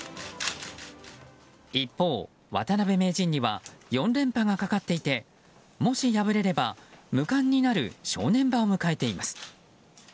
一方、渡辺名人には４連覇がかかっていてもし敗れれば無冠になる正念場を迎えています。